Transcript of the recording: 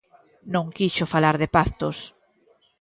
Non quixo falar de pactos.